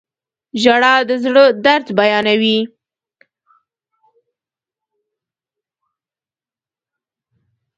• ژړا د زړه درد بیانوي.